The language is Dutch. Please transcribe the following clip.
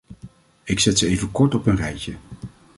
Ik zet ze even kort op een rijtje.